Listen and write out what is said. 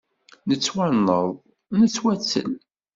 Nettwanneḍ nettwattel.